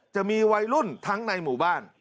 จะมีวัยรุ่นทั้งในหมู่บ้าน